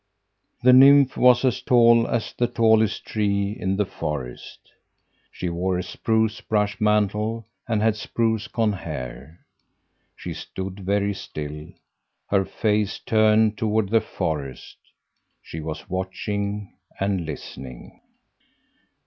The Nymph was as tall as the tallest tree in the forest. She wore a spruce brush mantle and had spruce cone hair. She stood very still, her face turned toward the forest. She was watching and listening.